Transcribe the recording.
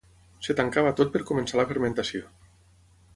Es tancava tot per començar la fermentació.